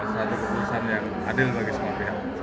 suatu keputusan yang adil bagi semua pihak